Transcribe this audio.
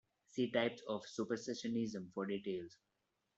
See types of Supersessionism for details.